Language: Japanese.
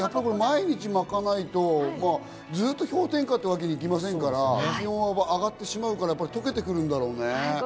毎日まかないとずっと氷点下ってわけにいきませんから、気温が上がってしまうから溶けてくるんだろうね。